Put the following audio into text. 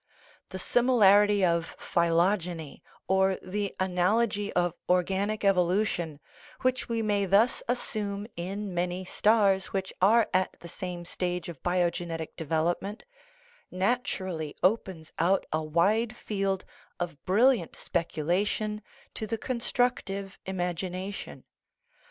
The similarity of phylogeny, or the analogy of or ganic evolution, which we may thus assume in many stars which are at the same stage of biogenetic devel opment, naturally opens out a wide field of brilliant speculation to the constructive imagination.